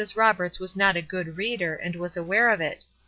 Roberts was not a good reader, and was aware of it.